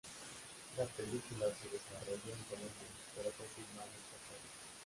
La película se desarrolla en Colombia, pero fue filmada en Puerto Rico.